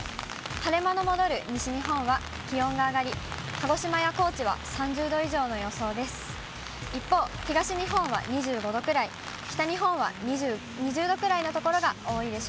晴れ間の戻る西日本は気温が上がり、鹿児島や高知は３０度以上の予想です。